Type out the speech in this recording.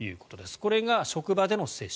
これが職場での接種。